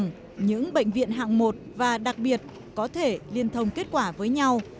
rằng những bệnh viện hạng một và đặc biệt có thể liên thông kết quả với nhau